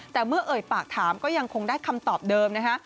แต่เมื่อเอ่ยปากถามก็ยังคงได้คำตอบเดิมนะคะ